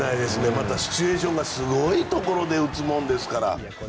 またシチュエーションがすごいところで打つもんですからね。